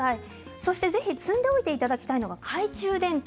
そしてぜひ積んでおいていただきたいのは懐中電灯。